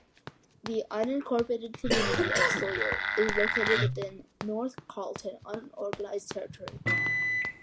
The unincorporated community of Sawyer is located within North Carlton Unorganized Territory.